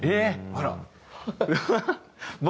あら！